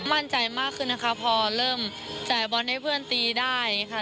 มั่นใจมากขึ้นนะคะพอเริ่มจ่ายบอลให้เพื่อนตีได้ค่ะ